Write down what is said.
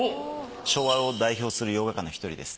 昭和を代表する洋画家の１人です。